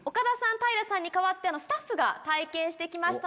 平さんに代わってスタッフが体験して来ました。